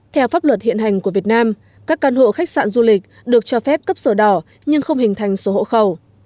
theo pháp luật hiện hành của việt nam các căn hộ khách sạn du lịch được cho phép cấp sổ đỏ nhưng không hình thành số hộ khẩu